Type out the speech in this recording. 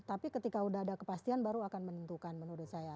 tapi ketika sudah ada kepastian baru akan menentukan menurut saya